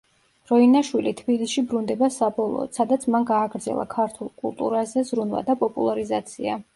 როინაშვილი თბილისში ბრუნდება საბოლოოდ სადაც მან გააგრძელა ქართული კულტურაზე ზრუნვა და პოპულარიზაცია.